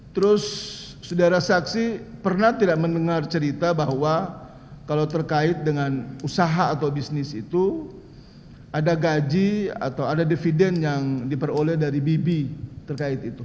terus saudara saksi pernah tidak mendengar cerita bahwa kalau terkait dengan usaha atau bisnis itu ada gaji atau ada dividen yang diperoleh dari bibi terkait itu